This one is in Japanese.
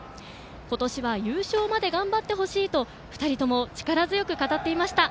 今年は優勝まで頑張ってほしいと２人とも力強く語っていました。